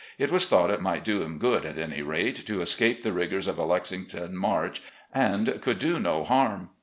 It was thought it might do him good, at any rate, to escape the rigours of a Lexington March, and could do no harm.